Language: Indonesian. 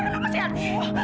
lagu banget sih itu anak